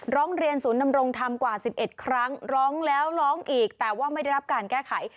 ร้องเรียนศูนย์นำรงธรรมกว่า๑๑ครั้งร้องแล้วร้องอีกแต่ว่าไม่ได้รับการแก้ไข